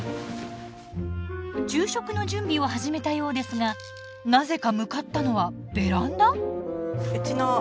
昼食の準備を始めたようですがなぜか向かったのはベランダ？